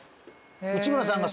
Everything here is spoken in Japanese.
内村さんが。